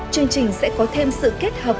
chương trình sẽ có thêm sự kết hợp